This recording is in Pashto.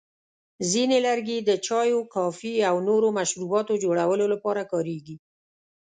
ځینې لرګي د چایو، کافي، او نورو مشروباتو جوړولو لپاره کارېږي.